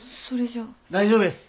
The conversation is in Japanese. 大丈夫です。